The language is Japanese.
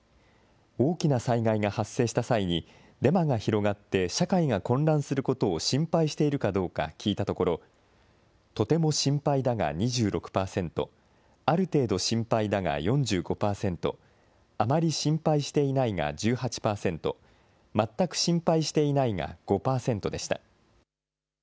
大きな災害が発生した際に、デマが広がって、社会が混乱することを心配しているかどうか聞いたところ、とても心配だが２６％、ある程度心配だが４５％、あまり心配していないが１８％、全く心配していないが５％でした。